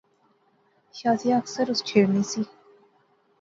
شازیہ اکثر اس چھیڑنی سی